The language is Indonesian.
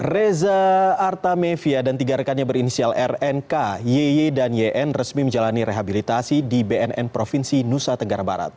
reza artamevia dan tiga rekannya berinisial rnk yy dan yn resmi menjalani rehabilitasi di bnn provinsi nusa tenggara barat